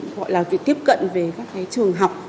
gọi là việc tiếp cận về các cái trường học